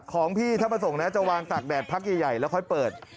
ของพี่ถ้ามาส่งนะจะวางตากแดดพักใหญ่แล้วค่อยเปิด